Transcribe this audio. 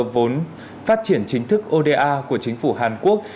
điều này phát triển chính thức oda của chính phủ hàn quốc